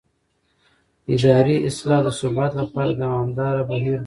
اداري اصلاح د ثبات لپاره دوامداره بهیر دی